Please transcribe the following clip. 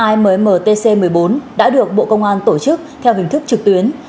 immtc một mươi bốn đã được bộ công an tổ chức theo hình thức trực tuyến